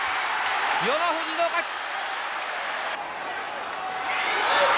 千代の富士の勝ち。